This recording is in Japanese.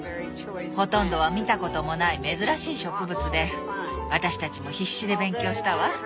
ほとんどは見たこともない珍しい植物で私たちも必死で勉強したわ。